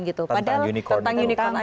tentang unicorn itu